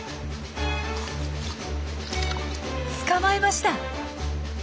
捕まえました！